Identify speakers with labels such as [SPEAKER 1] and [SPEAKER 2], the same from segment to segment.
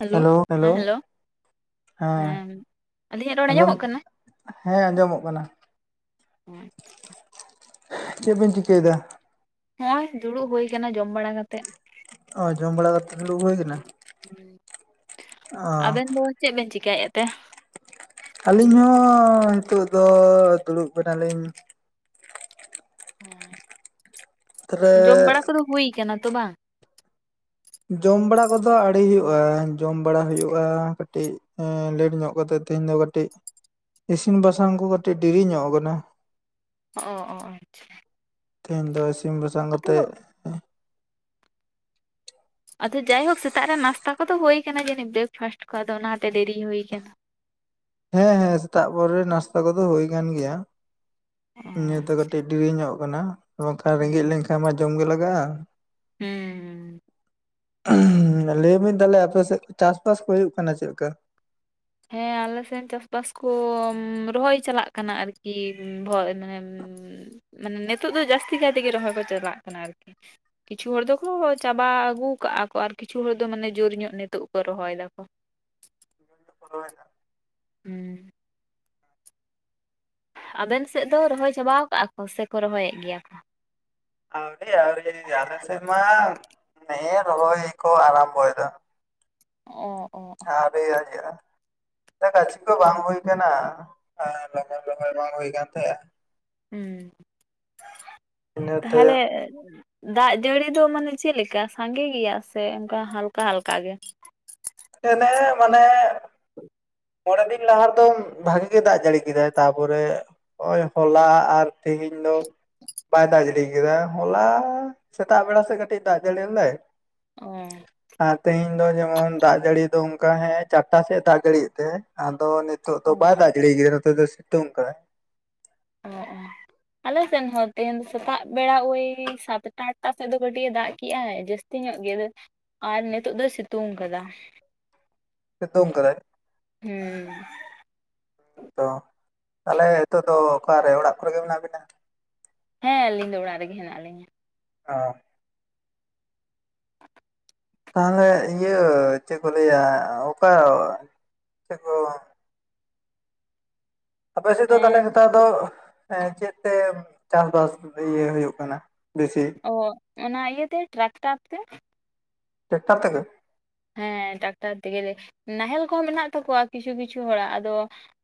[SPEAKER 1] Hello!
[SPEAKER 2] Hello hello
[SPEAKER 1] ᱦᱮᱸ hello.
[SPEAKER 2] ᱦᱮᱸ,
[SPEAKER 1] ᱟᱹᱞᱤᱧᱟᱜ ᱨᱚᱲ
[SPEAKER 2] ᱟᱸᱡᱚᱢ,
[SPEAKER 1] ᱟᱸᱡᱚᱢᱚᱜ ᱠᱟᱱᱟ?
[SPEAKER 2] ᱦᱮᱸ ᱟᱸᱡᱚᱢᱚᱜ ᱠᱟᱱᱟ᱾
[SPEAKER 1] ᱚ ᱟᱪᱪᱷᱟ᱾
[SPEAKER 2] ᱪᱮᱫ ᱵᱮᱱ ᱪᱤᱠᱟᱹᱭᱮᱫᱟ?
[SPEAKER 1] ᱱᱚᱜ-ᱚᱭ ᱫᱩᱲᱩᱵ ᱦᱩᱭ ᱠᱟᱱᱟ ᱡᱚᱢ ᱵᱟᱲᱟ ᱠᱟᱛᱮᱜ᱾
[SPEAKER 2] ᱚ ᱡᱚᱢ ᱵᱟᱲᱟ ᱠᱟᱛᱮᱫ ᱫᱩᱲᱩᱵ ᱦᱩᱭ ᱠᱟᱱᱟ?
[SPEAKER 1] ᱦᱩᱸ,
[SPEAKER 2] ᱚ
[SPEAKER 1] ᱟᱵᱮᱱ ᱫᱚ ᱪᱮᱫ ᱵᱮᱱ ᱪᱤᱠᱟᱭᱮᱫ ᱛᱮ?
[SPEAKER 2] ᱟᱞᱤᱧ ᱦᱚᱸ ᱦᱤᱛᱚᱜ ᱫᱚ ᱫᱩᱲᱩᱵ ᱠᱟᱱᱟᱞᱤᱧ᱾
[SPEAKER 1] ᱦᱮᱸ,
[SPEAKER 2] ᱛᱟᱦᱞᱮ
[SPEAKER 1] ᱡᱚᱢ ᱵᱟᱲᱟ ᱠᱚᱫᱚ ᱦᱩᱭ ᱠᱟᱱᱟ ᱛᱚ ᱵᱟᱝ?
[SPEAKER 2] ᱡᱚᱢ ᱵᱟᱲᱟ ᱠᱚᱫᱚ ᱟᱲᱤ ᱦᱩᱭᱩᱜᱼᱟ, ᱡᱚᱢ ᱵᱟᱲᱟ ᱦᱩᱭᱩᱜᱼᱟ ᱠᱟᱹᱴᱤᱡ ᱮᱸ ᱞᱮᱴ ᱧᱚᱜ ᱠᱟᱛᱮᱫ ᱛᱮᱦᱮᱧ ᱫᱚ ᱠᱟᱹᱴᱤᱡ ᱤᱥᱤᱱ ᱵᱟᱥᱟᱝ ᱠᱚ ᱠᱟᱹᱴᱤᱡ ᱰᱮᱨᱤ ᱧᱚᱜ ᱟᱠᱟᱱᱟ᱾
[SPEAKER 1] ᱦᱚᱸᱜ-ᱚ ᱚ ᱟᱪᱪᱷᱟ᱾
[SPEAKER 2] ᱛᱮᱦᱮᱧ ᱫᱚ ᱤᱥᱤᱝ ᱵᱟᱥᱟᱝ ᱠᱟᱛᱮᱜ
[SPEAKER 1] ᱟᱫᱚ ᱡᱟᱭᱦᱳᱠ ᱥᱮᱛᱟᱜ ᱨᱮ ᱱᱟᱥᱛᱟ ᱠᱚᱫᱚ ᱦᱩᱭ ᱠᱟᱱᱟ ᱡᱟᱹᱱᱤᱡ ᱵᱨᱮᱠᱯᱷᱟᱥᱴ ᱠᱚ ᱟᱫᱚ ᱚᱱᱟᱛᱮ ᱫᱮᱨᱤ ᱦᱩᱭ ᱠᱟᱱᱟ᱾
[SPEAKER 2] ᱦᱮᱸ ᱦᱮᱸ ᱥᱮᱛᱟᱜ ᱠᱚᱨᱮ ᱱᱟᱥᱛᱟ ᱠᱚᱫᱚ ᱦᱩᱭ ᱠᱟᱱ ᱜᱮᱭᱟ, ᱱᱤᱭᱟᱹ ᱫᱚ ᱠᱟᱹᱴᱤᱡ ᱰᱮᱨᱤ ᱧᱚᱜ ᱠᱟᱱᱟ, ᱵᱟᱝᱠᱷᱟᱡ ᱨᱮᱸᱜᱮᱡ
[SPEAKER 1] ᱦᱩᱸ
[SPEAKER 2] ᱞᱮᱝᱠᱷᱟᱱ ᱢᱟ ᱡᱚᱢ ᱜᱮ ᱞᱟᱜᱟᱜᱼᱟ᱾
[SPEAKER 1] ᱦᱩᱸ᱾
[SPEAKER 2] ᱞᱟᱹᱭ ᱵᱤᱱ ᱛᱟᱦᱚᱞᱮ ᱟᱯᱮ ᱥᱮᱫ ᱪᱟᱥ ᱵᱟᱥ ᱠᱚ ᱦᱩᱭᱩᱜ ᱠᱟᱱᱟ ᱪᱮᱫᱠᱟ?
[SPEAKER 1] ᱦᱮᱸ ᱟᱞᱮ ᱥᱮᱱ ᱪᱟᱥᱵᱟᱥ ᱠᱚ ᱨᱚᱦᱚᱭ ᱪᱟᱞᱟᱜ ᱠᱟᱱᱟ ᱟᱨᱠᱤ [unintelligible] ᱢᱟᱱᱮ ᱢᱟᱱᱮ ᱱᱤᱛᱚᱜ ᱫᱚ ᱡᱟᱥᱛᱤ ᱠᱟᱭ ᱛᱮᱜᱮ ᱨᱚᱦᱚᱭ ᱠᱚ ᱪᱟᱞᱟᱜ ᱠᱟᱱᱟ ᱟᱨᱠᱤ᱾ ᱠᱤᱪᱷᱩ ᱦᱚᱲ ᱫᱚᱠᱚ ᱪᱟᱵᱟ ᱟᱜᱩ ᱠᱟᱜᱼᱟ ᱠᱚ ᱟᱨ ᱠᱤᱪᱷᱩ ᱦᱚᱲ ᱫᱚ ᱢᱟᱱᱮ ᱡᱳᱨ ᱧᱚᱜ ᱱᱤᱛᱚᱜ ᱠᱚ ᱨᱚᱦᱚᱭ ᱫᱟᱠᱚ᱾
[SPEAKER 2] [inaudible]
[SPEAKER 1] ᱦᱩᱸ᱾ ᱟᱵᱮᱱ ᱥᱮᱫ ᱫᱚ ᱨᱚᱦᱚᱭ ᱪᱟᱵᱟᱣ ᱠᱟᱜᱼᱟ ᱠᱚ ᱥᱮᱠᱚ ᱨᱚᱦᱚᱭᱮᱜ ᱜᱮᱭᱟ ᱠᱚ?
[SPEAKER 2] ᱟᱣᱨᱤ ᱟᱣᱨᱤ ᱟᱞᱮ ᱥᱮᱫᱢᱟ ᱱᱮ-ᱮ ᱨᱚᱦᱚᱭ ᱠᱚ ᱟᱨᱟᱢᱳᱭ ᱫᱟ᱾
[SPEAKER 1] [unintelligible]
[SPEAKER 2] ᱟᱣᱨᱤ ᱟᱣᱨᱤᱭᱟᱜ-ᱟ, [inaudible] ᱜᱟᱪᱷᱤ ᱠᱚ ᱵᱟᱝ ᱦᱩᱭ ᱠᱟᱱᱟ᱾ ᱟᱨ [unintelligible] ᱵᱟᱝ ᱦᱩᱭ ᱠᱟᱱ ᱛᱟᱦᱮᱸᱜ-ᱟ᱾
[SPEAKER 1] ᱦᱩᱸ,
[SPEAKER 2] ᱤᱱᱟᱹᱛᱮ
[SPEAKER 1] ᱛᱟᱦᱚᱞᱮ ᱫᱟᱜ ᱡᱟᱹᱲᱤ ᱫᱚ ᱢᱟᱱᱮ ᱪᱮᱫ ᱞᱮᱠᱟ ᱥᱟᱺᱜᱮ ᱜᱮᱭᱟ ᱥᱮ ᱚᱱᱠᱟ ᱦᱟᱞᱠᱟ ᱦᱟᱞᱠᱟ ᱜᱮ?
[SPEAKER 2] ᱮᱱᱮ ᱢᱟᱱᱮ ᱢᱚᱬᱮ ᱫᱤᱱ ᱞᱟᱦᱟ ᱨᱮᱫᱚ ᱵᱷᱟᱜᱤ ᱜᱮ ᱫᱟᱜ ᱡᱟᱹᱲᱤ ᱠᱮᱫᱟᱭ ᱛᱟᱯᱚᱨᱮ, ᱦᱚᱸᱜ-ᱚᱭ ᱦᱚᱞᱟ ᱟᱨ ᱛᱮᱦᱤᱧ ᱫᱚ, ᱵᱟᱭ ᱫᱟᱜ ᱡᱟᱲᱤ ᱠᱮᱫᱟ ᱦᱚᱞᱟ ᱥᱮᱛᱟᱜ ᱵᱮᱲᱟ ᱥᱮᱫ ᱠᱟᱹᱴᱤᱡ ᱫᱟᱜ ᱡᱟᱹᱲᱤ ᱞᱮᱫᱟᱭ᱾
[SPEAKER 1] ᱚ᱾
[SPEAKER 2] ᱟᱨ ᱛᱮᱦᱤᱧ ᱫᱚ ᱡᱮᱢᱚᱱ ᱫᱟᱜ ᱡᱟᱹᱲᱤ ᱫᱚ ᱚᱝᱠᱟ ᱦᱮᱸ ᱪᱟᱴᱴᱟ ᱥᱮᱜ ᱫᱟᱜ ᱡᱟᱹᱲᱤᱭᱮᱫ ᱛᱮᱦᱮᱸᱜ-ᱮ᱾ ᱟᱫᱚ ᱱᱤᱛᱚᱜ ᱫᱚ
[SPEAKER 1] ᱚ
[SPEAKER 2] ᱵᱟᱭ ᱫᱟᱜ ᱡᱟᱲᱤ ᱠᱟᱫᱟ ᱱᱚᱛᱮ ᱫᱚ ᱥᱤᱛᱩᱝ ᱠᱟᱫᱟᱭ᱾
[SPEAKER 1] ᱚ ᱟᱞᱮ ᱥᱮᱱ ᱦᱚᱸ ᱛᱮᱦᱮᱧ ᱫᱚ ᱥᱮᱛᱟᱜ ᱵᱮᱲᱟ ᱳᱭ ᱥᱟᱛᱴᱟ, ᱟᱴᱴᱟ ᱥᱮᱫ ᱫᱚ ᱠᱟᱹᱴᱤᱡ ᱮ ᱫᱟᱜ ᱠᱮᱜ-ᱟᱭ ᱡᱟᱹᱥ ᱛᱤ ᱧᱚᱜ ᱜᱮ ᱟᱫᱚ, ᱟᱨ ᱱᱤᱛᱚᱜ ᱫᱚᱭ ᱥᱤᱛᱩᱝ ᱠᱟᱫᱟ᱾
[SPEAKER 2] ᱥᱤᱛᱩᱝ ᱠᱟᱫᱟᱭ?
[SPEAKER 1] ᱦᱩᱸ᱾
[SPEAKER 2] ᱛᱚ ᱛᱟᱦᱚᱞᱮ ᱦᱤᱛᱚᱜ ᱫᱚ ᱚᱠᱟᱨᱮ ᱚᱲᱟᱜ ᱠᱚᱨᱮ ᱜᱮ ᱢᱮᱱᱟᱜ ᱵᱤᱱᱟ?
[SPEAKER 1] ᱦᱮᱸ ᱟᱹᱞᱤᱧ ᱫᱚ ᱚᱲᱟᱜ ᱨᱮᱜᱮ ᱦᱮᱱᱟᱜ ᱞᱤᱧᱟ᱾
[SPEAKER 2] ᱚ᱾ ᱛᱟᱦᱚᱞᱮ ᱤᱭᱟᱹ ᱪᱮᱫ ᱠᱚ ᱞᱟᱹᱭᱟ, ᱚᱠᱟ ᱪᱮᱫ ᱠᱚ ᱟᱯᱮ ᱥᱮᱫ ᱫᱚ
[SPEAKER 1] ᱦᱮᱸ
[SPEAKER 2] ᱛᱟᱦᱚᱞᱮ ᱱᱮᱛᱟᱨ ᱫᱚ, ᱮᱸ ᱪᱮᱫ ᱛᱮ ᱪᱟᱥ ᱵᱟᱥ ᱤᱭᱟᱹ ᱦᱩᱭᱩᱜ ᱠᱟᱱᱟ ᱵᱮᱥᱤ?
[SPEAKER 1] ᱚ, ᱚᱱᱟ ᱤᱭᱟᱹ ᱛᱮ ᱴᱨᱟᱠᱴᱟᱨ ᱛᱮ᱾
[SPEAKER 2] ᱴᱮᱠᱴᱟᱨ ᱛᱮ ᱜᱮ?
[SPEAKER 1] ᱦᱮᱸ ᱴᱟᱠᱴᱟᱨ ᱛᱮᱜᱮᱞᱮ, ᱱᱟᱦᱮᱞ ᱠᱚᱦᱚᱸ ᱢᱮᱱᱟᱜ ᱛᱟᱠᱚᱣᱟ ᱠᱤᱪᱷᱩ ᱠᱤᱪᱷᱩ ᱦᱚᱲᱟᱜ ᱟᱫᱚ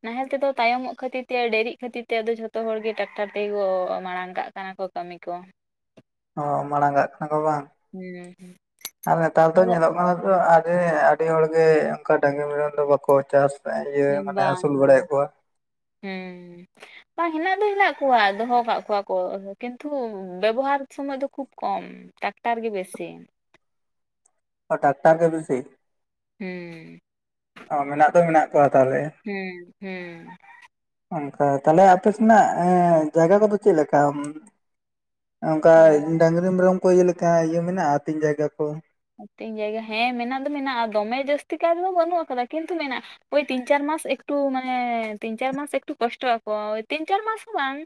[SPEAKER 1] ᱱᱟᱦᱮᱞ ᱛᱮᱫᱚ ᱛᱟᱭᱚᱢᱚᱜ ᱠᱷᱟᱹᱛᱤᱨ ᱛᱮ ᱰᱮᱨᱤᱜ ᱠᱷᱟᱹᱛᱤᱨ ᱛᱮ, ᱟᱫᱚ ᱡᱷᱚᱛᱚ ᱦᱚᱲ ᱜᱮ ᱴᱟᱠᱴᱟᱨ ᱛᱮᱜᱮᱠᱚ ᱢᱟᱲᱟᱝ ᱠᱟᱜ ᱠᱟᱱᱟ ᱠᱚ᱾ ᱠᱟᱹᱢᱤ ᱠᱚ᱾
[SPEAKER 2] ᱚ ᱢᱟᱲᱟᱝ ᱠᱟᱜ ᱠᱟᱱᱟ ᱠᱚ ᱵᱟᱝ?
[SPEAKER 1] ᱦᱩᱸ ᱦᱩᱸ
[SPEAKER 2] ᱟᱨ ᱱᱮᱛᱟᱨ ᱫᱚ
[SPEAKER 1] ᱟᱫᱚ
[SPEAKER 2] ᱧᱮᱞᱚᱜ ᱠᱟᱱᱟ ᱟᱫᱚ ᱟᱰᱤ ᱟᱰᱤ ᱦᱚᱲᱜᱮ ᱚᱝᱠᱟ ᱰᱟᱝᱜᱨᱤ ᱢᱮᱨᱚᱢ ᱫᱚ ᱵᱟᱠᱚ ᱪᱟᱥ ᱤᱭᱟᱹ ᱢᱟᱱᱮ
[SPEAKER 1] ᱵᱟᱝ
[SPEAKER 2] ᱟᱹᱥᱩᱞ
[SPEAKER 1] ᱵᱟᱝ
[SPEAKER 2] ᱵᱟᱲᱟᱭᱮᱜ ᱠᱚᱣᱟ᱾
[SPEAKER 1] ᱦᱩᱸ᱾ ᱵᱟᱝ ᱦᱮᱱᱟᱜ ᱫᱚ ᱦᱮᱱᱟᱜ ᱠᱚᱣᱟ ᱫᱚᱦᱚ ᱠᱟᱜ ᱠᱚᱣᱟ ᱠᱚ ᱠᱤᱱᱛᱩ ᱵᱮᱵᱚᱦᱟᱨ ᱥᱚᱢᱚᱭ ᱫᱚ ᱠᱷᱩᱵ ᱠᱚᱢ᱾ ᱴᱟᱠᱴᱟᱨ ᱜᱮ ᱵᱮᱥᱤ᱾
[SPEAKER 2] ᱚ ᱴᱟᱠᱴᱟᱨ ᱜᱮ ᱵᱤᱥᱤ?
[SPEAKER 1] ᱦᱩᱸ᱾
[SPEAKER 2] ᱚ ᱢᱮᱱᱟᱜ ᱫᱚ ᱢᱮᱱᱟᱜ ᱠᱚᱣᱟ ᱛᱟᱦᱚᱞᱮ᱾
[SPEAKER 1] ᱦᱩᱸ ᱦᱩᱸ᱾
[SPEAKER 2] ᱚᱱᱠᱟ ᱛᱟᱦᱚᱞᱮ ᱟᱯᱮ ᱥᱮᱱᱟᱜ ᱡᱟᱭᱜᱟ ᱠᱚᱫᱚ ᱪᱮᱫ ᱞᱮᱠᱟ? ᱚᱝᱠᱟ
[SPEAKER 1] ᱚ
[SPEAKER 2] ᱰᱟᱝᱨᱤ ᱢᱮᱨᱚᱢ ᱠᱚ ᱤᱭᱟᱹ ᱞᱮᱠᱟ ᱤᱭᱟᱹ ᱢᱮᱱᱟᱜᱼᱟ ᱟᱛᱤᱧ ᱡᱟᱭᱜᱟ ᱠᱚ᱾
[SPEAKER 1] ᱟᱛᱤᱧ ᱡᱟᱭᱜᱟ ᱦᱮᱸ ᱢᱮᱱᱟᱜ ᱫᱚ ᱢᱮᱱᱟᱜᱼᱟ, ᱫᱚᱢᱮ ᱡᱟᱹᱥᱛᱤ ᱠᱟᱭ ᱛᱮ ᱫᱚ ᱵᱟᱹᱱᱩᱜ ᱟᱠᱟᱫᱟ ᱠᱤᱱᱛᱩ ᱢᱮᱱᱟᱜ ᱳᱭ ᱛᱤᱱ ᱪᱟᱨ ᱢᱟᱥ ᱮᱠᱴᱩ ᱢᱟᱱᱮ ᱛᱤᱱ ᱪᱟᱨ ᱢᱟᱥ ᱮᱠᱴᱩ ᱠᱚᱥᱴᱚᱜ ᱟᱠᱚ, ᱛᱤᱱ ᱪᱟᱨ ᱢᱟᱥ ᱦᱚᱸ ᱵᱟᱝ,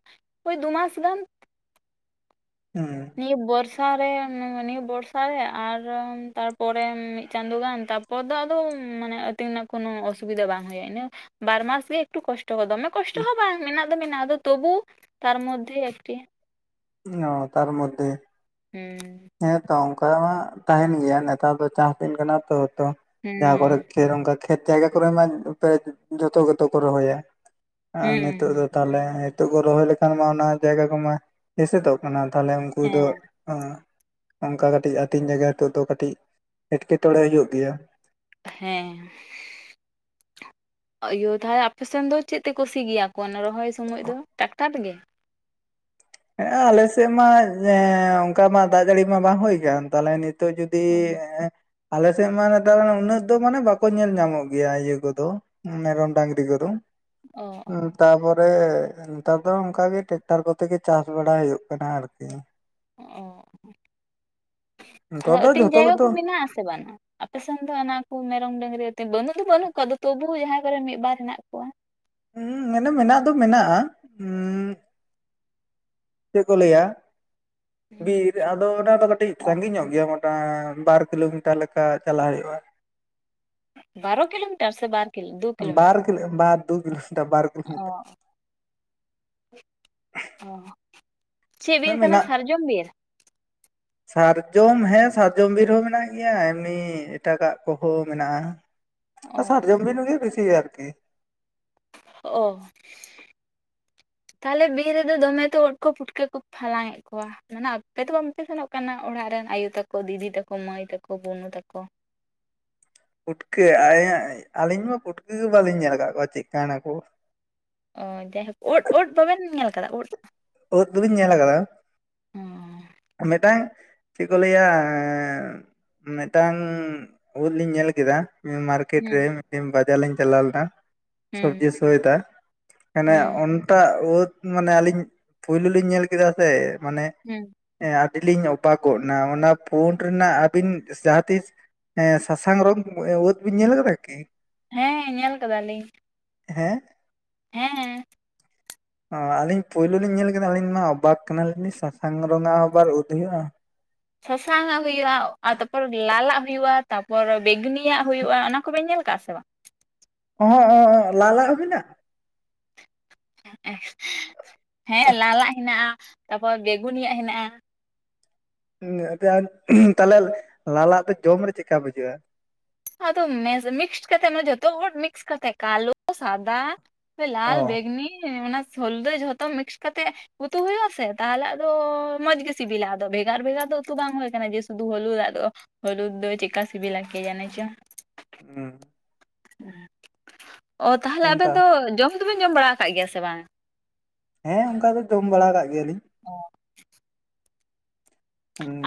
[SPEAKER 1] ᱳᱭ ᱫᱩ ᱢᱟᱥ ᱜᱟᱱ᱾
[SPEAKER 2] ᱦᱩᱸ᱾
[SPEAKER 1] ᱱᱤᱭᱟᱹ ᱵᱚᱨᱥᱟ ᱨᱮ ᱱᱤᱭᱟᱹ ᱵᱚᱨᱥᱟ ᱨᱮ ᱟᱨ ᱛᱟᱨᱯᱚᱨᱮ ᱢᱤᱫ ᱪᱟᱸᱫᱳ ᱜᱟᱱ ᱛᱟ ᱯᱚᱨ ᱫᱚ ᱟᱫᱚ ᱢᱟᱱᱮ ᱟᱹᱛᱤᱧ ᱨᱮᱱᱟᱜ ᱠᱚᱱᱚ ᱚᱥᱩᱵᱤᱫᱷᱟ ᱵᱟᱝ ᱦᱩᱭᱩᱜᱼᱟ ᱤᱱᱟᱹ, ᱵᱟᱨ ᱢᱟᱥ ᱜᱮ ᱮᱠᱴᱩ ᱠᱚᱥᱴᱚ ᱠᱚ, ᱫᱚᱢᱮ ᱠᱚᱥᱴᱚ ᱦᱚᱸ ᱵᱟᱝ ᱢᱮᱱᱟᱜ ᱫᱚ ᱢᱮᱱᱟᱜᱼᱟ ᱟᱫᱚ ᱛᱚᱵᱩ, ᱛᱟᱨ ᱢᱚᱫᱷᱮ ᱮᱠᱴᱤ᱾
[SPEAKER 2] ᱚ ᱛᱟᱨ ᱢᱚᱫᱷᱮ᱾
[SPEAKER 1] ᱦᱩᱸ᱾
[SPEAKER 2] ᱦᱮᱸ ᱛᱚ ᱚᱝᱠᱟ ᱢᱟ ᱛᱟᱦᱮᱸᱱ ᱜᱮᱭᱟ ᱱᱮᱛᱟᱨ ᱫᱚ ᱪᱟᱥ ᱫᱤᱱ ᱠᱟᱱᱟ ᱛᱚ ᱛᱚ, ᱡᱟᱦᱟᱸ ᱠᱚᱨᱮ
[SPEAKER 1] ᱦᱩᱸ
[SPEAKER 2] [unintelligible] ᱠᱷᱮᱛ ᱡᱟᱭᱜᱟ ᱠᱚᱨᱮ ᱢᱟ [inaudible] ᱡᱚᱛᱚ ᱜᱮᱛᱚ ᱠᱚ ᱨᱚᱦᱚᱭᱟ᱾ ᱟᱨ ᱱᱤᱛᱳᱜ ᱫᱚ
[SPEAKER 1] ᱦᱩᱸ
[SPEAKER 2] ᱛᱟᱦᱚᱞᱮ, ᱱᱤᱛᱳᱜ ᱠᱚ ᱨᱚᱦᱚᱭ ᱞᱮᱠᱷᱟᱱ ᱢᱟ ᱚᱱᱟ ᱡᱟᱭᱜᱟ ᱠᱚᱢᱟ ᱮᱥᱮᱫᱚᱜ ᱠᱟᱱᱟ ᱛᱟᱦᱚᱞᱮ ᱩᱝᱠᱩ ᱫᱚ
[SPEAKER 1] ᱦᱮᱸ
[SPEAKER 2] ᱚᱝᱠᱟ ᱠᱟᱹᱴᱤᱡ ᱟᱹᱛᱤᱧ ᱡᱟᱭᱜᱟ ᱦᱤᱛᱚᱜ ᱫᱚ ᱠᱟᱹᱴᱤᱡ ᱮᱴᱠᱮᱴᱚᱬᱮ ᱦᱩᱭᱩᱜ ᱜᱮᱭᱟ᱾
[SPEAKER 1] ᱦᱮᱸ᱾ ᱤᱭᱟᱹ ᱛᱟᱦᱚᱞᱮ ᱟᱯᱮ ᱥᱮᱱ ᱫᱚ ᱪᱮᱫ ᱛᱮ ᱠᱚ ᱥᱤ ᱜᱮᱭᱟ ᱠᱚ ᱚᱱᱟ ᱨᱚᱦᱚᱭ ᱥᱚᱢᱚᱭ ᱫᱚ, ᱴᱟᱠᱴᱟᱨ ᱛᱮ ᱜᱮ?
[SPEAKER 2] ᱦᱮᱸ ᱟᱞᱮ ᱥᱮᱫ ᱢᱟ ᱡᱮ ᱦᱮᱸ ᱚᱝᱠᱟ ᱢᱟ ᱫᱟᱜ ᱡᱟᱹᱲᱤ ᱢᱟ ᱵᱟᱝ ᱦᱩᱭ ᱠᱟᱱ ᱛᱟᱦᱚᱞᱮ ᱱᱤ ᱛᱚᱜ ᱡᱩᱫᱤ
[SPEAKER 1] ᱚ
[SPEAKER 2] ᱟᱞᱮ ᱥᱮᱫ ᱢᱟ ᱱᱮᱛᱟᱨ ᱢᱟ ᱩᱱᱟᱹᱜ ᱫᱚ ᱢᱟᱱᱮ ᱵᱟᱠᱚ ᱧᱮᱞ ᱧᱟᱢᱚᱜ ᱜᱮᱭᱟ ᱤᱭᱟᱹ ᱠᱚᱫᱚ, ᱢᱮᱨᱚᱢ ᱰᱟᱝᱨᱤ ᱠᱚ ᱫᱚ᱾ ᱦᱩᱸ ᱛᱟᱯᱚᱨᱮ ᱱᱮᱛᱟᱨ ᱫᱚ ᱚᱝᱠᱟ ᱜᱮ ᱴᱮᱠᱴᱟᱨ ᱠᱚᱛᱮ ᱜᱮ ᱪᱟᱥ ᱵᱟᱲᱟᱭ ᱦᱳᱭᱳᱜ ᱠᱟᱱᱟ ᱟᱨᱠᱤ᱾
[SPEAKER 1] ᱚ,
[SPEAKER 2] ᱱᱮᱛᱟᱨ
[SPEAKER 1] ᱛᱟᱦᱚᱞᱮ
[SPEAKER 2] ᱫᱚ
[SPEAKER 1] ᱟᱹᱛᱤᱧ
[SPEAKER 2] ᱡᱷᱚᱛᱚ
[SPEAKER 1] ᱡᱟᱭᱜᱟ
[SPEAKER 2] ᱜᱮᱛᱚ
[SPEAKER 1] ᱠᱚ ᱢᱮᱱᱟᱜ-ᱟ ᱥᱮ? [unintelligible] ᱟᱯᱮ ᱥᱮᱱ ᱫᱚ ᱚᱱᱟ ᱠᱩ ᱢᱮᱨᱚᱢ ᱰᱟᱹᱝᱨᱤ ᱟᱹᱛᱤᱧ ᱵᱟᱹᱱᱩᱜ ᱫᱚ ᱵᱟᱹᱱᱩᱜ ᱠᱚᱣᱟ ᱟᱫᱚ ᱛᱚᱵᱩ ᱡᱟᱦᱟᱸ ᱠᱚᱨᱮ ᱢᱤᱫ ᱵᱟᱨ ᱦᱮᱱᱟᱜ ᱠᱚᱣᱟ᱾
[SPEAKER 2] ᱩᱸ ᱢᱮᱱᱟ ᱢᱟᱱᱟᱜ ᱫᱚ ᱢᱮᱱᱟᱜ-ᱟ ᱩᱸᱻ ᱪᱮᱫ ᱠᱚ ᱞᱟᱹᱭᱟ ᱵᱤᱨ, ᱟ ᱫᱚ ᱚᱱᱟ ᱫᱚ ᱠᱟᱹᱴᱤᱡ
[SPEAKER 1] ᱚ
[SPEAKER 2] ᱥᱟᱺᱜᱤᱧ ᱧᱚᱜ ᱜᱮᱭᱟ ᱢᱚᱴᱟ ᱵᱟᱨ ᱠᱤᱞᱳᱢᱤᱴᱟᱨ ᱞᱮᱠᱟ ᱪᱟᱞᱟᱜ ᱦᱩᱭᱩᱜᱼᱟ᱾
[SPEAKER 1] ᱵᱟᱨᱳ ᱠᱤᱞᱳᱢᱤᱴᱟᱨ ᱥᱮ ᱵᱟᱨ ᱠᱤᱞᱳ ᱫᱩ ᱠᱤᱞᱳᱢᱤᱴᱟᱨ
[SPEAKER 2] ᱵᱟᱨ ᱠᱤᱞᱳ ᱵᱟᱨ, ᱫᱩ ᱠᱤᱞᱳᱢᱤᱴᱟᱨ ᱵᱟᱨ ᱠᱤᱞᱳᱢᱤᱴᱟᱨ᱾
[SPEAKER 1] ᱚᱸ ᱪᱮᱫ ᱵᱤᱨ ᱠᱟᱱᱟ
[SPEAKER 2] ᱢᱮᱱᱟᱜ
[SPEAKER 1] ᱥᱟᱨᱡᱚᱢ ᱵᱤᱨ
[SPEAKER 2] [unintelligible] ᱥᱟᱨᱡᱚᱢ ᱦᱮᱸ ᱥᱟᱨᱡᱚᱢ ᱵᱤᱨ ᱦᱚᱸ ᱢᱮᱱᱟᱜ ᱜᱮᱭᱟ ᱮᱢᱱᱤ ᱮᱴᱟᱜ-ᱜᱟᱜ ᱠᱚᱦᱚᱸ ᱢᱮᱱᱟᱜᱼᱟ᱾
[SPEAKER 1] ᱚ
[SPEAKER 2] ᱥᱟᱨᱡᱚᱢ ᱵᱤᱨ ᱜᱮ ᱵᱤᱥᱤ ᱟᱨᱠᱤ
[SPEAKER 1] ᱚ
[SPEAKER 2] [unintelligible]
[SPEAKER 1] ᱛᱟᱦᱚᱞᱮ ᱵᱤᱨ ᱨᱮᱫᱚ ᱫᱚᱢᱮ ᱛᱳ ᱩᱫᱽ ᱠᱳ ᱯᱩᱴᱠᱟᱹ ᱠᱳᱯᱮ ᱦᱟᱞᱟᱝ ᱮᱫ ᱠᱚᱣᱟ? ᱢᱟᱱᱮ ᱟᱯᱮ ᱫᱚ ᱵᱟᱝ ᱯᱮ ᱥᱮᱱᱚᱜ ᱠᱟᱱᱟ ᱚᱲᱟᱜ ᱨᱮᱱ ᱟᱭᱳ ᱛᱟᱠᱚ ᱫᱤᱫᱤ ᱛᱟᱠᱚ ᱢᱟᱹᱭ ᱛᱟᱠᱚ ᱵᱩᱱᱩ ᱛᱟᱠᱚ᱾
[SPEAKER 2] ᱯᱩᱴᱠᱟᱹ ᱟ- ᱟᱹᱞᱤᱧ ᱢᱟ ᱯᱩᱴᱠᱟᱹ ᱜᱮ ᱵᱟᱹᱞᱤᱧ ᱧᱮᱞ ᱟᱠᱟᱫ ᱠᱚᱣᱟ ᱪᱮᱫᱠᱟᱱᱟ ᱠᱳ᱾
[SPEAKER 1] ᱚ ᱡᱟᱭᱦᱳᱠ ᱩᱫ ᱩᱫ ᱵᱟᱵᱮᱱ ᱧᱮᱞ ᱟᱠᱟᱫᱟ ᱩᱫ?
[SPEAKER 2] ᱳᱫ ᱫᱚᱞᱤᱧ ᱧᱮᱞ ᱟᱠᱟᱫᱟ
[SPEAKER 1] ᱦᱮᱸ
[SPEAKER 2] ᱢᱤᱫᱴᱟᱝ ᱪᱮᱫ ᱠᱚ ᱞᱟᱹᱭᱟ ᱟᱹᱻ ᱢᱤᱫᱴᱟᱝ ᱳᱫ ᱞᱤᱧ ᱧᱮᱞ ᱠᱮᱫᱟ ᱢᱟᱨᱠᱮᱴ ᱨᱮ
[SPEAKER 1] ᱦᱩᱸ
[SPEAKER 2] ᱢᱤᱫᱴᱤᱱ ᱵᱟᱡᱟᱨ ᱞᱤᱧ ᱪᱟᱞᱟᱣ ᱞᱮᱱᱟ
[SPEAKER 1] ᱦᱩᱸ
[SPEAKER 2] ᱥᱚᱵᱽᱡᱤ [inaudible] ᱢᱟᱱᱮ
[SPEAKER 1] ᱦᱩᱸ
[SPEAKER 2] ᱚᱱᱴᱟᱜ ᱩᱫᱽ ᱢᱟᱱᱮ ᱟᱹᱞᱤᱧ ᱯᱩᱭᱞᱳ ᱞᱤᱧ ᱧᱮᱞ ᱠᱮᱫᱟ ᱥᱮ ᱢᱟᱱᱮ
[SPEAKER 1] ᱦᱩᱸ
[SPEAKER 2] ᱦᱮᱸ ᱟᱹᱰᱤ ᱞᱤᱧ ᱚᱵᱟᱠ ᱜᱚᱫ ᱮᱱᱟ ᱚᱱᱟ ᱯᱷᱳᱰ ᱨᱮᱱᱟᱜ ᱟᱹᱵᱤᱱ ᱡᱟᱦᱟᱸᱛᱤᱥ ᱮᱸ ᱥᱟᱥᱟᱝ ᱨᱚᱝ ᱳᱫ ᱵᱤᱱ ᱧᱮᱞ ᱟᱠᱟᱫᱟ ᱠᱤ?
[SPEAKER 1] ᱦᱮᱸ ᱧᱮᱞ ᱟᱠᱟᱫᱟᱞᱤᱧ
[SPEAKER 2] ᱦᱮᱸ
[SPEAKER 1] ᱦᱮᱸᱦᱮᱸ
[SPEAKER 2] ᱚᱸ ᱟᱹᱞᱤᱧ ᱯᱳᱭᱞᱳ ᱞᱤᱧ ᱧᱮᱞ ᱠᱮᱫᱟ ᱟᱹᱞᱤᱧ ᱯᱩᱭᱞᱩ ᱞᱤᱧ ᱧᱮᱞ ‌ᱠᱮᱫᱟ ᱟᱠᱤᱧᱢᱟ ᱚᱵᱟᱠ ᱠᱟᱱᱟᱞᱤᱧ ᱥᱟᱥᱟᱝ ᱨᱚᱸᱝ ᱟᱜ ᱟᱵᱟᱨ ᱩᱸᱫ ᱦᱩᱭᱩᱜᱼᱟ
[SPEAKER 1] ᱥᱟᱥᱟᱝ ᱟᱜ ᱦᱩᱭᱩᱜᱼᱟ ᱟᱨ ᱛᱟᱯᱚᱨ ᱞᱟᱞ ᱟᱜ ᱦᱩᱭᱩᱜᱼᱟ ᱛᱟᱯᱚᱨ ᱵᱮᱜᱩᱱᱤᱭᱟᱜ ᱦᱩᱭᱩᱜᱼᱟ ᱚᱱᱟ ᱠᱚᱵᱮᱱ ᱧᱮᱞ ᱠᱟᱜᱼᱟ ᱥᱮ ᱵᱟᱝ?
[SPEAKER 2] ᱦᱳᱭ ᱦᱳᱭ ᱦᱳᱭ ᱞᱟᱜ ᱟᱜ ᱦᱚᱸ ᱢᱮᱱᱟᱜᱟ
[SPEAKER 1] ᱦᱮᱸ ᱞᱟᱞ ᱟᱜ ᱦᱮᱱᱟᱜᱼᱟ ᱛᱟᱯᱚᱨ ᱵᱮᱜᱩᱱᱤ ᱟᱜ ᱦᱮᱱᱟᱜᱼᱟ
[SPEAKER 2] ᱮᱸ [inaudible] ᱛᱟᱦᱚᱞᱮ ᱞᱟᱞ ᱟᱜ ᱫᱚ ᱡᱚᱢ ᱨᱮ ᱪᱮᱫᱠᱟ ᱵᱩᱡᱷᱟᱹᱜᱼᱟ?
[SPEAKER 1] ᱟᱫᱚ ᱢᱮᱥ ᱢᱤᱠᱥ ᱠᱟᱛᱮ ᱢᱟ ᱡᱚᱛ ᱦᱚᱲ ᱢᱤᱠᱥ ᱠᱟᱛᱮᱫ ᱠᱟᱞᱳ ᱥᱟᱫᱟ
[SPEAKER 2] ᱚ
[SPEAKER 1] ᱞᱟᱞ ᱵᱮᱜᱽᱱᱤ ᱚᱱᱟ ᱥᱚᱞᱫᱮ ᱡᱷᱚᱛᱚ ᱢᱤᱠᱥ ᱠᱟᱛᱮᱫ ᱩᱛᱩ ᱦᱩᱭᱩᱜᱼᱟ ᱥᱮ ᱛᱟᱦᱚᱞᱮ ᱟᱫᱚ ᱢᱚᱸᱡᱽ ᱜᱮ ᱥᱤᱵᱤᱞᱟ ᱟᱫᱚ ᱵᱷᱮᱜᱟᱨ ᱵᱷᱮᱜᱟᱨ ᱫᱚ ᱩᱛᱩ ᱵᱟᱝ ᱦᱩᱭ ᱠᱟᱱᱟ ᱡᱮ ᱥᱩᱫᱩ ᱦᱩᱞᱩᱫ ᱟᱜ ᱫᱚ ᱦᱩᱞᱩ ᱫᱚ ᱪᱮᱫᱠᱟ ᱥᱤᱵᱤᱞᱟ ᱠᱮ ᱡᱟᱱᱮ ᱪᱚᱝ
[SPEAKER 2] ᱦᱩᱸ
[SPEAKER 1] ᱚ ᱛᱟᱦᱞᱮ ᱟᱵᱮᱱ
[SPEAKER 2] ᱚᱱᱠᱟ
[SPEAKER 1] ᱫᱚ ᱡᱚᱢ ᱫᱚᱵᱮᱱ ᱡᱚᱢ ᱵᱟᱲᱟ ᱟᱠᱟᱜ ᱜᱮᱭᱟ ᱥᱮ ᱵᱟᱝ?
[SPEAKER 2] ᱦᱮᱸ ᱚᱱᱠᱟ ᱫᱚ ᱡᱚᱢ ᱵᱟᱲᱟ ᱠᱟᱜ ᱜᱮᱭᱟᱞᱤᱧ
[SPEAKER 1] ᱚᱸ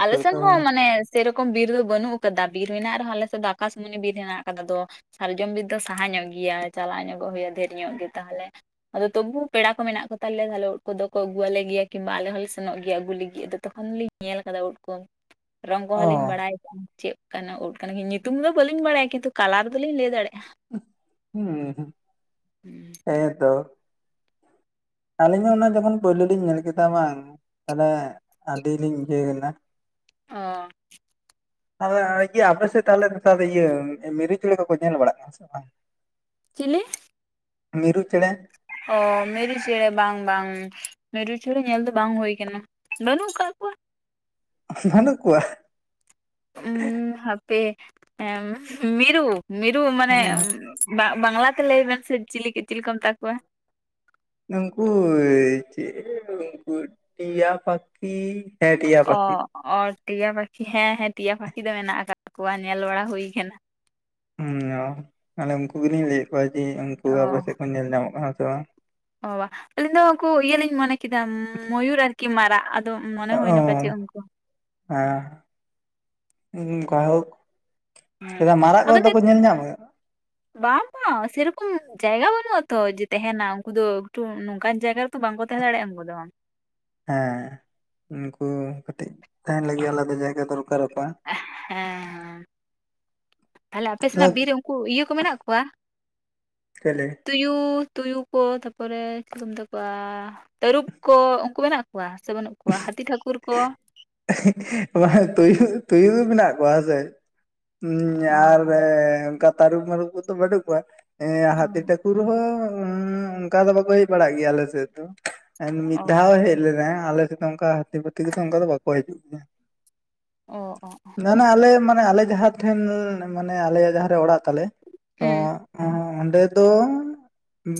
[SPEAKER 1] ᱟᱞᱮ ᱥᱮᱱ
[SPEAKER 2] ᱫᱚ
[SPEAKER 1] ᱦᱚᱸ ᱢᱟᱱᱮ ᱥᱮᱨᱚᱠᱚᱢ ᱵᱤᱨ ᱫᱚ ᱵᱟᱹᱱᱩᱜ ᱟᱠᱟᱫᱟ ᱵᱤᱨ ᱢᱮᱱᱟᱜ ᱨᱮᱦᱚᱸ ᱟᱞᱮᱥ ᱫᱚ ᱟᱠᱟᱥ ᱢᱩᱱᱤ ᱵᱤᱨ ᱦᱮᱱᱟᱜ ᱟᱠᱟᱫᱟ ᱫᱚ ᱥᱟᱨᱡᱚᱢ ᱵᱤᱨ ᱫᱚ ᱥᱟᱦᱟ ᱧᱚᱜ ᱜᱮᱭᱟ ᱪᱟᱞᱟᱣ ᱧᱚᱜᱚᱜ ᱦᱩᱭᱩᱜᱼᱟ ᱰᱷᱮᱨ ᱧᱚᱜ ᱜᱮ ᱛᱟᱦᱚᱞᱮᱲᱲ ᱟᱫᱚ ᱛᱚᱵᱩ ᱯᱮᱲᱟ ᱠᱚ ᱢᱮᱱᱟᱜ ᱠᱚ ᱛᱟᱞᱮᱭᱟ ᱛᱟᱦᱮ ᱠᱚᱫᱚ ᱠᱚ ᱟᱹᱜᱩᱣᱟᱞᱮ ᱜᱮᱭᱟ ᱠᱤᱝᱵᱟ ᱟᱞᱮ ᱦᱚᱸᱞᱮ ᱥᱮᱱᱚᱜ ᱜᱮᱭᱟ ᱟᱜᱩ ᱞᱟᱹᱜᱤᱫ ᱟᱫᱚ ᱛᱚᱠᱷᱚᱱ ᱞᱤᱧ ᱧᱮᱞ ᱟᱠᱟᱫᱟ ᱩᱫ ᱠᱚ ᱨᱚᱝ
[SPEAKER 2] ᱚ
[SPEAKER 1] ᱠᱚᱦᱚᱸ ᱞᱤᱧ ᱵᱟᱲᱟᱭ ᱪᱮᱫ ᱠᱟᱱᱟ ᱩᱴ ᱠᱟᱱᱟ ᱧᱩᱛᱩᱢ ᱫᱚ ᱵᱟᱹᱞᱤᱧ ᱵᱟᱲᱟᱭᱟ ᱠᱤᱱᱛᱩ ᱠᱟᱞᱟᱨ ᱫᱚᱞᱤᱧ ᱞᱟᱹᱭ ᱫᱟᱲᱮᱭᱟᱜᱼᱟ
[SPEAKER 2] ᱦᱩᱸ ᱦᱩᱸ ᱦᱮᱸᱫᱚ ᱟᱹᱞᱤᱧ ᱦᱚᱸ ᱚᱱᱟ ᱡᱚᱠᱷᱚᱱ ᱯᱳᱭᱞᱳ ᱞᱤᱧ ᱧᱮᱞ ᱠᱮᱫᱟ ᱵᱟᱝ ᱛᱟᱦᱚᱞᱮ ᱟᱹᱰᱤ ᱞᱤᱧ ᱤᱭᱟᱭᱱᱟ
[SPEAKER 1] ᱚ
[SPEAKER 2] ᱦᱳᱭ ᱟᱨ ᱤᱭᱟᱹ ᱟᱯᱮᱥᱮᱫ ᱛᱟᱦᱚᱞᱮ ᱱᱮᱛᱟᱨ ᱤᱭᱟᱹ ᱢᱤᱨᱩ ᱪᱮᱬᱮ ᱠᱚᱠᱚ ᱧᱮᱞ ᱵᱟᱲᱟᱜ ᱠᱟᱱᱟ ᱥᱮ ᱵᱟᱝ?
[SPEAKER 1] ᱪᱮᱞᱮ?
[SPEAKER 2] ᱢᱤᱨᱩ ᱪᱮᱬᱮ᱾
[SPEAKER 1] ᱚ ᱢᱤᱨᱩ ᱪᱮᱬᱮ ᱵᱟᱝ ᱵᱟᱝ, ᱢᱤᱨᱩ ᱪᱮᱬᱮ ᱧᱮᱞ ᱫᱚ ᱵᱟᱝ ᱦᱩᱭ ᱠᱟᱱᱟ᱾ ᱵᱟᱹᱱᱩᱜ ᱠᱟᱜ ᱠᱚᱣᱟ᱾
[SPEAKER 2] ᱵᱟᱱᱩᱜ ᱠᱚᱣᱟ?
[SPEAKER 1] ᱩᱸ ᱦᱟᱯᱮ ᱢᱤᱨᱩ ᱢᱤᱨᱩ ᱢᱟᱱᱮ ᱵᱟ ᱵᱟᱝᱞᱟᱛᱮ ᱞᱟᱹᱭ ᱵᱮᱱ ᱥᱮ ᱪᱤᱞᱤ ᱪᱤᱞᱤ ᱠᱚ ᱢᱮᱛᱟ ᱠᱚᱣᱟ?
[SPEAKER 2] ᱱᱩᱝᱠᱩ ᱪᱮ ᱩᱱᱠᱩ ᱴᱤᱭᱟ ᱯᱟᱠᱷᱤ᱾ ᱦᱮᱸ ᱴᱤᱭᱟ
[SPEAKER 1] ᱚ
[SPEAKER 2] ᱯᱟᱠᱷᱤ
[SPEAKER 1] ᱚ ᱴᱤᱭᱟ ᱯᱟᱠᱷᱤ ᱦᱮᱸ ᱦᱮᱸ ᱴᱤᱭᱟ ᱯᱟᱠᱷᱤ ᱫᱚ ᱢᱮᱱᱟᱜ ᱟᱠᱟᱫ ᱠᱚᱣᱟ ᱧᱮᱞ ᱵᱟᱲᱟ ᱦᱩᱭ ᱟᱠᱟᱱᱟ᱾
[SPEAKER 2] ᱦᱩᱸ ᱢᱟᱱᱮ ᱩᱱᱠᱩ ᱜᱮᱞᱤᱧ ᱞᱟᱹᱭᱮᱫ ᱠᱚᱣᱟ ᱡᱮ ᱩᱱᱠᱩ ᱟᱯᱮ
[SPEAKER 1] ᱚ
[SPEAKER 2] ᱥᱮᱫ ᱠᱚ ᱧᱮᱞ ᱧᱟᱢᱚᱜ ᱠᱟᱱᱟ ᱥᱮ ᱵᱟᱝ?
[SPEAKER 1] ᱚ ᱟᱹᱞᱤᱧ ᱫᱚ ᱩᱱᱠᱩ ᱤᱭᱟᱹ ᱞᱤᱧ ᱢᱚᱱᱮ ᱠᱮᱫᱟ ᱢᱚᱭᱩᱨ ᱟᱨᱠᱤ ᱢᱟᱨᱟᱜ᱾ ᱟᱫᱚ ᱢᱚᱱᱮ
[SPEAKER 2] ᱚ
[SPEAKER 1] ᱦᱩᱭᱱᱟ ᱯᱟᱪᱮᱫ ᱩᱱᱠᱩ᱾
[SPEAKER 2] ᱦᱮᱸ [unintelligible]
[SPEAKER 1] ᱦᱮᱸ
[SPEAKER 2] ᱪᱮᱫᱟᱜ ᱢᱟᱨᱟᱜ
[SPEAKER 1] ᱟᱫᱚ
[SPEAKER 2] ᱠᱚᱫᱚ
[SPEAKER 1] ᱱᱤᱛ
[SPEAKER 2] ᱠᱚ ᱧᱮᱞ ᱧᱟᱢᱟ
[SPEAKER 1] ᱵᱟᱝ ᱵᱟᱝ ᱥᱮᱨᱚᱠᱚᱢ ᱡᱟᱭᱜᱟ ᱵᱟᱹᱱᱩᱜ ᱟᱛᱚ ᱡᱮ ᱛᱟᱦᱮᱱᱟ ᱩᱱᱠᱩ ᱫᱚ ᱮᱠᱴᱩ ᱱᱚᱝᱠᱟᱱ ᱡᱟᱭᱜᱟ ᱨᱮ ᱛᱚ ᱵᱟᱝᱠᱚ ᱛᱟᱦᱮᱸ ᱫᱟᱲᱮᱭᱟᱜᱼᱟ ᱩᱱᱠᱩ ᱫᱚ᱾
[SPEAKER 2] ᱦᱮᱸ ᱩᱱᱠᱩ ᱠᱟᱹᱴᱤᱡ ᱛᱟᱦᱮᱱ ᱞᱟᱹᱜᱤᱫ ᱟᱞᱟᱫᱟ ᱡᱟᱭᱜᱟ ᱫᱚᱨᱠᱟᱨ ᱟᱠᱚᱣᱟ᱾
[SPEAKER 1] ᱦᱮᱸ᱾ ᱛᱟᱦᱚᱞᱮ ᱟᱯᱮ ᱥᱮᱱᱟᱜ ᱵᱤᱨ ᱨᱮ ᱩᱱᱠᱩ ᱤᱭᱟᱹ ᱠᱚ ᱢᱮᱱᱟᱜ ᱠᱚᱣᱟ?
[SPEAKER 2] ᱪᱮᱞᱮ
[SPEAKER 1] ᱛᱩᱭᱩ ᱛᱩᱭᱩ ᱠᱚ ᱛᱟᱯᱚᱨᱮ ᱪᱤᱞᱤ ᱠᱚ ᱢᱮᱛᱟ ᱠᱚᱣᱟ ᱛᱟᱹᱨᱩᱵ ᱠᱚ ᱩᱱᱠᱩ ᱢᱮᱱᱟᱜ ᱠᱚᱣᱟ? ᱥᱮ ᱵᱟᱹᱱᱩᱜ ᱠᱚᱣᱟ ᱦᱟᱹᱛᱤ ᱴᱷᱟᱹᱠᱩᱨ ᱠᱚ?
[SPEAKER 2] ᱵᱟᱝ ᱛᱩᱭᱩ ᱛᱩᱭᱩ ᱫᱚ ᱢᱮᱱᱟᱜ ᱠᱚᱣᱟ ᱦᱮᱸᱥᱮ᱾ ᱩᱸ
[SPEAKER 1] ᱚ
[SPEAKER 2] ᱟᱨ ᱮ ᱚᱱᱠᱟ ᱛᱟᱹᱨᱩᱵᱽ ᱢᱟᱹᱨᱩᱵ ᱠᱚᱫᱚ ᱵᱟᱹᱱᱩᱜ ᱠᱚᱣᱟ᱾ ᱦᱮᱸ ᱦᱟᱹᱛᱤ
[SPEAKER 1] ᱚ
[SPEAKER 2] ᱴᱷᱟᱠᱩᱨ ᱦᱚᱸ ᱩᱸ ᱚᱱᱠᱟ ᱫᱚ ᱵᱟᱠᱚ ᱦᱮᱡᱽ ᱵᱟᱲᱟᱜ ᱜᱮᱭᱟ ᱟᱞᱮ ᱥᱮᱫ ᱫᱚ᱾ ᱢᱤᱫ ᱫᱷᱟᱣ ᱦᱮᱡ ᱞᱮᱱᱟ, ᱟᱞᱮ ᱥᱮᱫ ᱚᱱᱠᱟ ᱦᱟᱹᱛᱤ ᱯᱟᱹᱛᱤ ᱠᱚᱫᱚ ᱚᱱᱠᱟ ᱫᱚ ᱵᱟᱠᱚ ᱦᱤᱡᱩᱜ ᱜᱮᱭᱟ᱾
[SPEAKER 1] ᱚ ᱚ᱾
[SPEAKER 2] ᱢᱟᱱᱮ ᱟᱞᱮ ᱢᱟᱱᱮ ᱟᱞᱮ ᱡᱟᱦᱟᱸ ᱴᱷᱮᱱ ᱢᱟᱱᱮ ᱟᱞᱮᱭᱟᱜ ᱡᱟᱦᱟᱸᱨᱮ ᱚᱲᱟᱜ ᱛᱟᱞᱮ ᱛᱚ
[SPEAKER 1] ᱦᱩᱸ
[SPEAKER 2] ᱚᱸ ᱚᱸᱰᱮ ᱫᱚ ᱩᱸ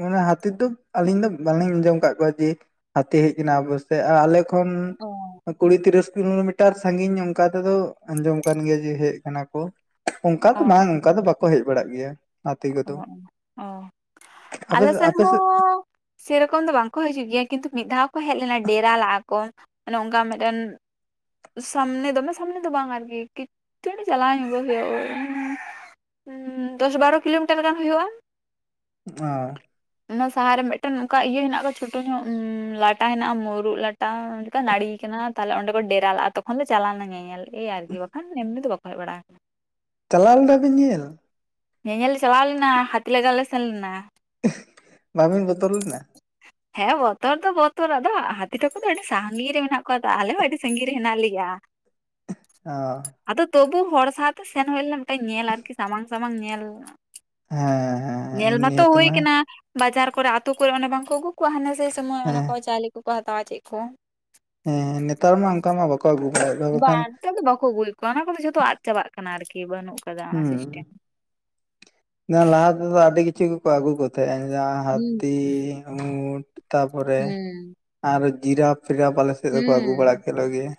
[SPEAKER 2] ᱢᱟᱱᱮ ᱡᱟᱹᱛᱤ ᱫᱚ ᱟᱹᱞᱤᱧ ᱫᱚ ᱵᱟᱞᱤᱧ ᱟᱸᱡᱚᱢ ᱟᱠᱟᱫ ᱠᱚᱣᱟ ᱡᱮ ᱦᱟᱹᱛᱤ ᱦᱮᱡᱽ ᱮᱱᱟ ᱟᱵᱚᱥᱮᱫ ᱟᱨ ᱟᱞᱮ ᱠᱷᱚᱱ
[SPEAKER 1] ᱚ᱾
[SPEAKER 2] ᱠᱩᱲᱤ ᱛᱤᱨᱤᱥ ᱠᱤᱞᱳᱢᱤᱴᱟᱨ ᱥᱟᱺᱜᱤᱧ ᱚᱱᱠᱟ ᱛᱮᱫᱚ ᱟᱸᱡᱚᱢ ᱠᱟᱱ ᱜᱮᱭᱟ ᱡᱮ ᱦᱮᱡᱽ ᱟᱠᱟᱱᱟ ᱠᱚ᱾ ᱚᱱᱠᱟ
[SPEAKER 1] ᱚ
[SPEAKER 2] ᱫᱚ ᱵᱟᱝ ᱚᱱᱠᱟ ᱫᱚ ᱵᱟᱠᱚ ᱦᱮᱡᱽ ᱵᱟᱲᱟᱜ ᱜᱮᱭᱟ᱾ ᱟᱛᱮ
[SPEAKER 1] ᱚ
[SPEAKER 2] ᱠᱚᱫᱚ
[SPEAKER 1] ᱚ
[SPEAKER 2] ᱟᱯᱮ
[SPEAKER 1] ᱟᱞᱮ ᱥᱮᱱ
[SPEAKER 2] ᱟᱯᱮ ᱥᱮᱫ
[SPEAKER 1] ᱦᱚᱸ ᱥᱮᱨᱚᱠᱚᱢ ᱫᱚ ᱵᱟᱝᱠᱚ ᱦᱤᱡᱩᱜ ᱜᱮᱭᱟ ᱠᱤᱱᱛᱩ ᱢᱤᱫ ᱫᱷᱟᱣ ᱠᱚ ᱦᱮᱡ ᱞᱮᱱᱟ ᱰᱮᱨᱟ ᱞᱟᱜᱼᱟ ᱠᱚ, ᱢᱟᱱᱮ ᱚᱱᱠᱟ ᱢᱤᱫᱴᱮᱱ ᱥᱟᱢᱱᱮ ᱫᱚᱢᱮ ᱥᱟᱢᱱᱮ ᱫᱚ ᱵᱟᱝ ᱟᱨᱠᱤ [unintelligible] ᱪᱟᱞᱟᱣ ᱧᱚᱜᱚᱜ ᱦᱩᱭᱩᱜᱼᱟ ᱳᱭ ᱩᱸ ᱫᱚᱥ ᱵᱟᱨᱚ ᱠᱤᱞᱳᱢᱤᱴᱟᱨ ᱜᱟᱱ ᱦᱩᱭᱩᱜᱼᱟ᱾
[SPEAKER 2] ᱚ᱾
[SPEAKER 1] ᱚᱱᱟ ᱥᱟᱦᱟᱨ ᱨᱮ ᱢᱤᱫᱴᱮᱱ ᱚᱱᱠᱟ ᱤᱭᱟᱹ ᱦᱮᱱᱟᱜ ᱟᱠᱟᱫᱟ ᱪᱷᱳᱴᱳ ᱧᱚᱜ ᱞᱟᱴᱟ ᱦᱮᱱᱟᱜᱼᱟ ᱢᱩᱨᱩᱜ ᱞᱟ ᱴᱟ ᱚᱱᱠᱟ ᱱᱟᱲᱤ ᱠᱟᱱᱟ ᱛᱟᱦᱚᱞᱮ ᱚᱸᱰᱮ ᱠᱚ ᱰᱮ ᱪᱟᱞᱟᱜᱼᱟ ᱛᱚᱠᱷᱚᱱ ᱫᱚ ᱪᱟᱞᱟᱣ ᱞᱮᱱᱟ ᱧᱮ ᱧᱮᱞ ᱮ ᱟᱨᱠᱤ ᱵᱟᱠᱷᱟᱱ ᱮᱢᱱᱤ ᱫᱚ ᱵᱟᱠᱚ ᱦᱮᱡ ᱵᱟᱲᱟ-ᱟ᱾
[SPEAKER 2] ᱪᱟᱞᱟᱣ ᱞᱮᱱᱟ ᱠᱚ ᱧᱮᱞ?
[SPEAKER 1] ᱧᱮᱧᱮᱞ ᱞᱮ ᱪᱟᱞᱟᱣ ᱞᱮᱱᱟ ᱦᱟᱹᱛᱤ ᱞᱟᱜᱟ ᱞᱮ ᱥᱮᱱ ᱞᱮᱱᱟ᱾
[SPEAKER 2] ᱢᱟᱵᱤᱱ ᱵᱚᱛᱚᱨ ᱞᱮᱱᱟ?
[SPEAKER 1] ᱦᱮᱸ ᱵᱚᱛᱚᱨ ᱫᱚ ᱵᱚᱛᱚᱨ ᱟᱫᱚ ᱦᱟᱹᱛᱤ ᱴᱷᱟᱠᱩᱨ ᱫᱚ ᱟᱹᱰᱤ ᱥᱟᱺᱜᱤᱧ ᱨᱮ ᱢᱮᱱᱟᱜ ᱠᱚᱣᱟ ᱛᱚ ᱟᱞᱮ ᱦᱚᱸ ᱟᱹᱰᱤ ᱥᱟᱺᱜᱤᱧ ᱨᱮ ᱦᱮᱱᱟᱜ ᱞᱮᱭᱟ᱾
[SPEAKER 2] ᱚ᱾
[SPEAKER 1] ᱟᱫᱚ ᱛᱚᱵᱩ ᱦᱚᱲ ᱥᱟᱶᱛᱮ ᱥᱮᱱ ᱦᱩᱭ ᱞᱮᱱᱟ ᱢᱤᱫᱴᱟᱝ ᱧᱮᱞ ᱟᱨᱠᱤ ᱥᱟᱢᱟᱝ ᱥᱟᱢᱟᱝ ᱧᱮᱞ᱾
[SPEAKER 2] ᱦᱮᱸ ᱦᱮᱸ
[SPEAKER 1] ᱧᱮᱞ
[SPEAKER 2] ᱮᱢᱱᱤ
[SPEAKER 1] ᱢᱟᱛᱚ
[SPEAKER 2] ᱦᱟᱹᱛᱤ
[SPEAKER 1] ᱦᱩᱭ
[SPEAKER 2] ᱢᱟ
[SPEAKER 1] ᱠᱟᱱᱟ ᱵᱟᱡᱟᱨ ᱠᱚᱨᱮ ᱟᱛᱳ ᱠᱚᱨᱮ ᱚᱱᱮ ᱵᱟᱝᱠᱚ ᱟᱹᱜᱩ ᱠᱚᱣᱟ ᱦᱟᱱᱮ ᱥᱮᱭ ᱥᱚᱢᱚᱭ ᱚᱱᱟ
[SPEAKER 2] ᱦᱮᱸ
[SPEAKER 1] ᱠᱚ ᱪᱟᱣᱞᱮ ᱠᱚᱠᱚ ᱦᱟᱛᱟᱣᱟ ᱪᱮᱫ ᱠᱚ᱾
[SPEAKER 2] ᱦᱮᱸ ᱱᱮᱛᱟᱨ ᱢᱟ ᱚᱱᱠᱟ ᱢᱟ ᱵᱟ ᱠᱚ ᱟᱫᱩ ᱵᱟᱲᱟᱭᱮᱫ ᱠᱚᱣᱟ᱾ ᱵᱟᱠᱷᱟᱱ
[SPEAKER 1] ᱵᱟᱝ ᱱᱮᱛᱟᱨ ᱫᱚ ᱵᱟᱠᱚ ᱟᱹᱜᱩᱭᱮᱫ ᱠᱚᱣᱟ ᱚᱱᱟ ᱠᱚᱫᱚ ᱡᱷᱚᱛᱚ ᱟᱫ ᱪᱟᱵᱟᱜ ᱠᱟᱱᱟ ᱟᱨᱠᱤ ᱵᱟᱹᱱᱩᱜ-ᱟ᱾
[SPEAKER 2] ᱦᱩᱸ ᱞᱟᱦᱟ ᱛᱮᱫᱚ ᱟᱹᱰᱤ ᱠᱤᱪᱷᱩ ᱠᱚ ᱟᱜᱩ ᱠᱚ ᱛᱟᱦᱮᱫ-ᱟ ᱡᱟᱦᱟᱸ
[SPEAKER 1] ᱦᱩᱸ
[SPEAKER 2] ᱦᱟᱛᱤ ᱩᱴ ᱛᱟᱯᱚᱨᱮ
[SPEAKER 1] ᱦᱩᱸ
[SPEAKER 2] ᱟᱨ ᱡᱤᱨᱟᱯ ᱯᱷᱤᱨᱟᱯ ᱟᱞᱮ ᱥᱮᱫ ᱫᱚᱠᱚ ᱟᱜᱩ ᱵᱟᱲᱟ
[SPEAKER 1] ᱦᱩᱸ᱾
[SPEAKER 2] ᱠᱚᱞᱮ ᱜᱮᱭᱟ,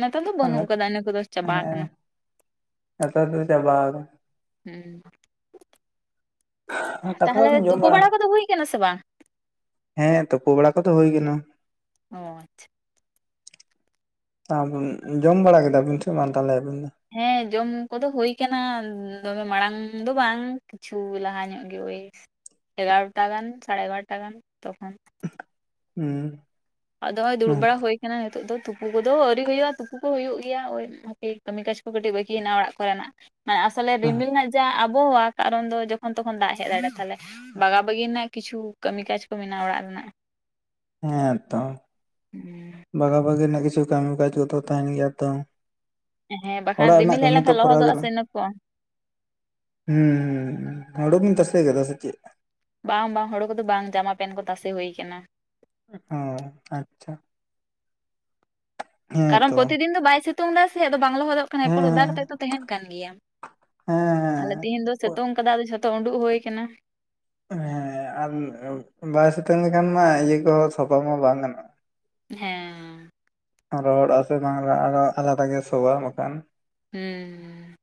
[SPEAKER 1] ᱱᱮᱛᱟᱨ ᱫᱚ ᱵᱟᱹᱱᱩᱜ
[SPEAKER 2] ᱦᱮᱸ
[SPEAKER 1] ᱠᱟᱫᱟ ᱤᱱᱟᱹ ᱠᱚᱫᱚ ᱪᱟᱵᱟ ᱠᱟᱱᱟ
[SPEAKER 2] ᱱᱮᱛᱟᱨ ᱫᱚ ᱪᱟᱵᱟ ᱟᱠᱟᱱᱟ᱾
[SPEAKER 1] ᱦᱩᱸ
[SPEAKER 2] ᱠᱟᱛᱷᱟ
[SPEAKER 1] ᱛᱟᱦᱞᱮ
[SPEAKER 2] ᱫᱚᱵᱤᱱ ᱡᱚᱢ
[SPEAKER 1] ᱛᱩᱯᱳ ᱵᱟᱲᱟ ᱠᱚᱫᱚ ᱦᱩᱭ ᱠᱟᱱᱟ ᱥᱮ ᱵᱟᱝ?
[SPEAKER 2] ᱦᱮᱸ ᱛᱩᱯᱩ ᱵᱟᱲᱟ ᱠᱚᱫᱚ ᱦᱩᱭ ᱠᱟᱱᱟ᱾
[SPEAKER 1] ᱚ ᱟᱪᱪᱷᱟ᱾
[SPEAKER 2] [unintelligible] ᱡᱚᱢ ᱵᱟᱲᱟ ᱠᱮᱫᱟ ᱵᱤᱱ ᱥᱮ ᱵᱟᱝ ᱛᱟᱦᱚᱞᱮ ᱟᱹᱵᱤᱱ ᱫᱚ?
[SPEAKER 1] ᱦᱮᱸ ᱡᱚᱢ ᱠᱚᱫᱚ ᱦᱩᱭ ᱠᱟᱱᱟ ᱫᱚᱢᱮ ᱢᱟᱲᱟᱝ ᱫᱚ ᱵᱟᱝ᱾ ᱠᱤᱪᱷᱩ ᱞᱟᱦᱟ ᱧᱚᱜ ᱜᱮ ᱳᱭ ᱮᱜᱟᱨᱚᱴᱟ ᱜᱟᱱ ᱥᱟᱲᱮ ᱮᱜᱟᱨᱚᱴᱟ ᱜᱟᱱ ᱛᱚᱠᱷᱚᱱ᱾
[SPEAKER 2] ᱦᱩᱸ᱾
[SPEAKER 1] ᱟᱫᱚ ᱦᱚᱸᱜᱼᱚᱭ ᱫᱩᱲᱩᱵ ᱵᱟᱲᱟ ᱦᱩᱭ ᱠᱟᱱᱟ ᱱᱤᱛᱚᱜ ᱫᱚ ᱛᱩᱯᱩ ᱠᱚᱫᱚ ᱟᱹᱣᱨᱤ ᱦᱩᱭᱩᱜᱼᱟ ᱛᱩᱯᱩ ᱠᱚ ᱦᱩᱭᱩᱜ ᱜᱮᱭᱟ ᱳᱭ ᱦᱟᱯᱮ ᱠᱟᱹᱢᱤ ᱠᱟᱡᱽ ᱠᱚ ᱠᱟᱹᱴᱤᱡ ᱵᱟᱹᱠᱤ ᱢᱮᱱᱟᱜ-ᱟ ᱚᱲᱟᱜ ᱠᱚᱨᱮᱱᱟᱜ᱾ ᱢᱟᱱᱮ ᱟᱥᱚᱞᱮ ᱨᱤᱢᱤᱞ ᱨᱮᱱᱟᱜ ᱡᱟ ᱟᱵᱚᱦᱟᱣᱟ ᱠᱟᱨᱚᱱ ᱫᱚ ᱡᱚᱠᱷᱚᱱ ᱛᱚᱠᱷᱚᱱ ᱫᱟᱜ ᱦᱮᱡ ᱫᱟᱲᱮᱭᱟᱜᱼᱟ ᱛᱟᱞᱦᱮ ᱵᱟᱜᱟ ᱵᱟᱹᱜᱤ ᱨᱮᱱᱟᱜ ᱠᱤᱪᱷᱩ ᱠᱟᱹᱢᱤ ᱠᱟᱡᱽ ᱠᱚ ᱢᱮᱱᱟᱜᱼᱟ ᱚᱲᱟᱜ ᱨᱮᱱᱟᱜ᱾
[SPEAKER 2] ᱦᱮᱸ ᱛᱚ᱾
[SPEAKER 1] ᱦᱩᱸ᱾
[SPEAKER 2] ᱵᱟᱜᱟ ᱵᱟᱜᱤ ᱨᱮᱱᱟᱜ ᱠᱤᱪᱷᱩ ᱠᱟᱹᱢᱤ ᱠᱟᱡᱽ ᱠᱚᱫᱚ ᱛᱟᱦᱮᱱ ᱜᱮᱭᱟ ᱛᱚ᱾
[SPEAKER 1] ᱦᱮᱸ ᱵᱟᱠᱷᱟᱱ
[SPEAKER 2] ᱚᱲᱟᱜ ᱨᱮᱱᱟᱜ
[SPEAKER 1] ᱨᱤᱢᱤᱞ ᱦᱮᱡ
[SPEAKER 2] ᱠᱟᱹᱢᱤ ᱛᱚ
[SPEAKER 1] ᱞᱮᱱᱠᱷᱟᱱ
[SPEAKER 2] ᱠᱚᱨᱟᱣ ᱜᱮ
[SPEAKER 1] ᱞᱚᱦᱚᱫᱚᱜᱼᱟ ᱥᱮ ᱤᱱᱟᱹ ᱠᱚ᱾
[SPEAKER 2] ᱦᱩᱸ ᱦᱩᱸ ᱦᱩᱲᱩ ᱵᱤᱱ ᱛᱟᱥᱮ ᱠᱟᱫᱟ ᱥᱮ ᱪᱮᱫ?
[SPEAKER 1] ᱵᱟᱝ ᱵᱟᱝ ᱦᱳᱲᱳ ᱠᱚᱫᱚ ᱵᱟᱝ ᱡᱟᱢᱟ ᱯᱮᱱ ᱠᱚ ᱛᱟᱥᱮ ᱦᱩᱭ ᱟᱠᱟᱱᱟ᱾
[SPEAKER 2] ᱚ ᱟᱪᱪᱷᱟ᱾ ᱦᱮᱸ
[SPEAKER 1] ᱠᱟᱨᱚᱱ
[SPEAKER 2] ᱛᱚ
[SPEAKER 1] ᱯᱨᱚᱛᱤᱫᱤᱱ ᱫᱚ ᱵᱟᱭ ᱥᱤᱛᱩᱝ ᱫᱟᱭ ᱥᱮ ᱟᱫᱚ ᱵᱟᱝ ᱞᱚᱦᱚᱫᱚᱜ ᱠᱟᱱᱟ
[SPEAKER 2] ᱦᱮᱸ
[SPEAKER 1] ᱮᱯᱚᱨ ᱚᱫᱟ
[SPEAKER 2] ᱦᱮᱸ
[SPEAKER 1] ᱠᱟᱛᱮᱫ ᱛᱚ ᱛᱟᱦᱮᱱ ᱠᱟᱱ ᱜᱮᱭᱟ, ᱛᱟᱦᱞᱮ
[SPEAKER 2] ᱦᱮᱸ
[SPEAKER 1] ᱛᱤᱦᱤᱧ ᱫᱚ ᱥᱤᱛᱩᱝ ᱠᱟᱫᱟ ᱟᱫᱚ ᱡᱷᱚᱛᱚ ᱩᱰᱩᱠ ᱦᱩᱭ ᱟᱠᱟᱱᱟ᱾
[SPEAKER 2] ᱦᱮᱸ ᱟᱨ ᱵᱟᱭ ᱥᱤᱛᱩᱝ ᱞᱮᱠᱷᱟᱱ ᱢᱟ ᱤᱭᱟᱹ ᱠᱚᱦᱚᱸ ᱥᱟᱯᱟ ᱢᱟ ᱵᱟᱝ ᱜᱟᱱᱚᱜᱼᱟ᱾
[SPEAKER 1] ᱦᱮᱸ᱾
[SPEAKER 2] ᱨᱚᱦᱚᱲᱚᱜ-ᱟ ᱥᱮ ᱵᱟᱝ ᱨᱚᱦᱚᱲᱚᱜ ᱟᱨᱚ ᱟᱞᱟᱫᱟ ᱜᱮ ᱥᱚᱣᱟ ᱵᱟᱠᱷᱟᱱ᱾
[SPEAKER 1] ᱦᱮᱸ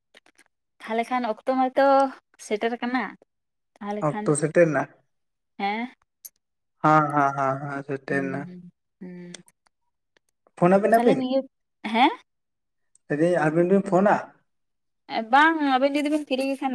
[SPEAKER 1] ᱛᱟᱦᱚᱞᱮ ᱠᱷᱟᱱ ᱚᱠᱛᱚ ᱢᱟᱛᱚ ᱥᱮᱴᱮᱨ ᱠᱟᱱᱟ᱾
[SPEAKER 2] ᱚᱠᱛᱚ ᱥᱮᱴᱮᱨ ᱱᱟ?
[SPEAKER 1] ᱦᱮᱸ
[SPEAKER 2] ᱦᱮᱸ ᱦᱮᱸ ᱦᱮᱸ ᱦᱮᱸ ᱥᱮ
[SPEAKER 1] ᱦᱩᱸ ᱦᱩᱸ᱾
[SPEAKER 2] ᱯᱷᱳᱱ ᱟᱵᱤᱱᱟ
[SPEAKER 1] ᱛᱟᱦᱚᱞᱮ ᱱᱤᱭᱟᱹ, ᱦᱮᱸ?
[SPEAKER 2] ᱞᱟᱹᱭ ᱫᱟᱹᱧ ᱟᱵᱤᱱ ᱵᱤᱱ ᱯᱷᱳᱱᱟ?
[SPEAKER 1] ᱮ ᱵᱟᱝ ᱟᱵᱤᱱ ᱡᱩᱫᱤ ᱵᱤᱱ ᱯᱷᱤᱨᱤ ᱜᱮ ᱠᱷᱟᱱ